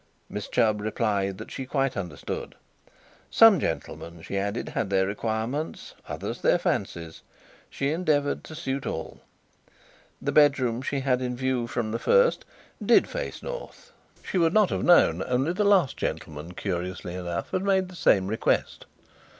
Miss Chubb replied that she quite understood. Some gentlemen, she added, had their requirements, others their fancies. She endeavoured to suit all. The bedroom she had in view from the first did face north. She would not have known, only the last gentleman, curiously enough, had made the same request.